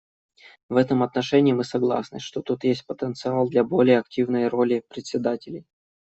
В этом отношении мы согласны, что тут есть потенциал для более активной роли председателей.